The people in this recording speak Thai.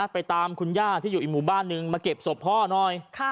ไปตามคุณย่าที่อยู่อีกหมู่บ้านนึงมาเก็บศพพ่อหน่อย